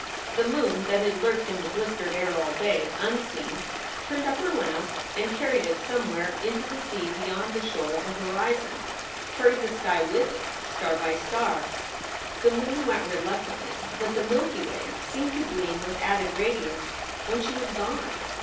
The moon that had lurked in the blistered air all day unseen turned up her lamp and carried it somewhere into the 142 SOULS FOR SALE sea beyond the shore of the horizon ; carried the sky with it star by star. The moon went reluctantly, but the Milky Way seemed to gleam with added radiance when she was gone.